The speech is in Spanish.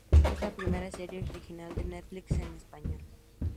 Es la primera serie original de Netflix en español.